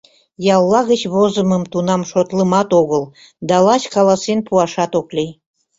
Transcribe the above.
Ялла гыч возымым тунам шотлымат огыл, да лач каласен пуашат ок лий.